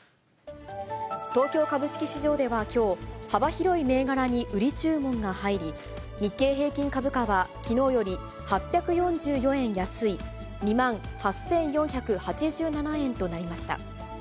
東京株式市場ではきょう、幅広い銘柄に売り注文が入り、日経平均株価は、きのうより８４４円安い、２万８４８７円となりました。